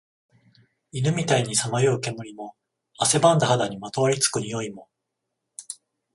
犬みたいにさまよう煙も、汗ばんだ肌にまとわり付く臭いも、